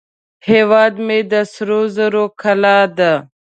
هیواد مې د سرو زرو کلاه ده